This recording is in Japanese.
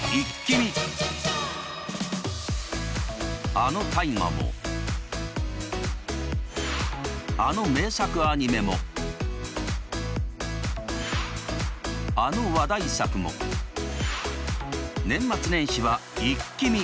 あの「大河」もあの名作アニメもあの話題作も年末年始はイッキ見！